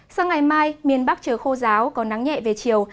sang ngày mai miền bắc trời khô giáo có nắng nhẹ về chiều